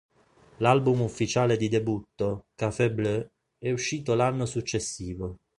L'album ufficiale di debutto, Café Bleu, è uscito l'anno successivo.